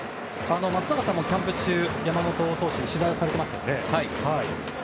松坂さんもキャンプ中山本投手に取材されていましたね。